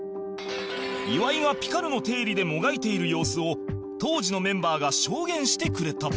岩井が『ピカルの定理』でもがいている様子を当時のメンバーが証言してくれた